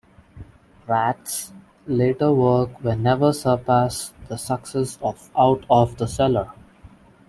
Ratt's later work would never surpass the success of "Out of the Cellar".